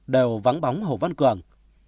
đều vắng bóng hồ văn cường